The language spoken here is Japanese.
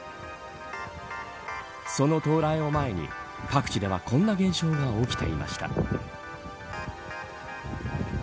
その到来を前に各地ではこんな現象が起きていました。